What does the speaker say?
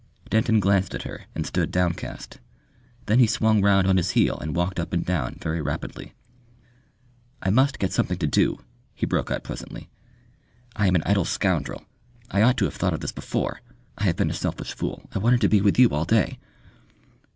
Denton glanced at her and stood downcast. Then he swung round on his heel and walked up and down very rapidly. "I must get something to do," he broke out presently. "I am an idle scoundrel. I ought to have thought of this before. I have been a selfish fool. I wanted to be with you all day...."